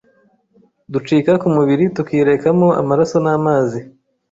ducika ku mubiri tukirekamo amaraso n’amazi,